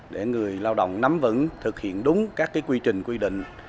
để người lao động nắm vững thực hiện đúng các quy trình quy định